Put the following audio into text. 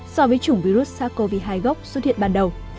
so với chủng virus sars cov hai gốc xuất hiện ban đầu